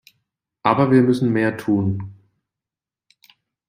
Aber wir müssen mehr tun.